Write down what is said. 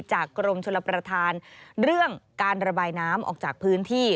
กรมชลประธานเรื่องการระบายน้ำออกจากพื้นที่